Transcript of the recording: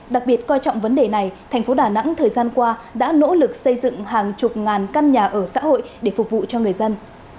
đặc biệt coi trọng vấn đề này thành phố đà nẵng thời gian qua đã nỗ lực xây dựng hàng chục ngàn căn nhà ở xã hội để phục vụ cho người dân